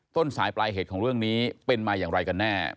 ต้นสายปลายเหตุของเรื่องนี้เป็นมาอย่างไรกันแน่